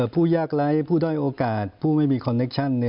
ผู้ยากไร้ผู้ด้อยโอกาสผู้ไม่มีคอนเคชั่น